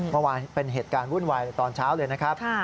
เมื่อวานเป็นเหตุการณ์วุ่นวายในตอนเช้าเลยนะครับ